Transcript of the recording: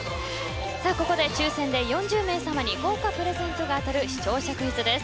ここで抽選で４０名さまに豪華プレゼントが当たる視聴者クイズです。